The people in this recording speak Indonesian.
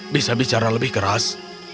bisa bicara lebih keras